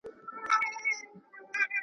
هامان وویل زما سر ته دي امان وي .